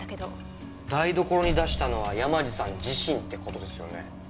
台所に出したのは山路さん自身って事ですよね。